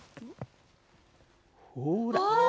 ほら。